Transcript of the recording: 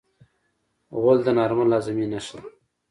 غول د نارمل هاضمې نښه ده.